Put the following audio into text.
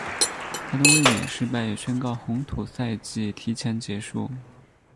她的卫冕失败也宣告红土赛季提前结束。